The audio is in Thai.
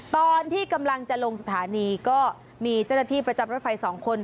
ตอนที่กำลังจะลงสถานีก็มีเจ้าหน้าที่ประจำรถไฟ๒คน